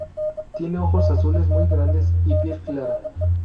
Tiene ojos azules muy grandes y piel clara.